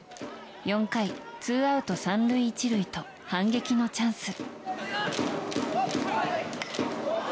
４回、ツーアウト３塁１塁と反撃のチャンス。